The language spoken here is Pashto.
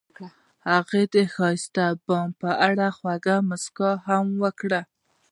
هغې د ښایسته بام په اړه خوږه موسکا هم وکړه.